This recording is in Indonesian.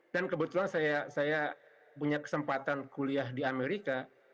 dan kebetulan saya punya kesempatan kuliah di amerika